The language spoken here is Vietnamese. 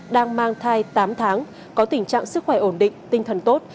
đang mang thai tám tháng có tình trạng sức khỏe ổn định tinh thần tốt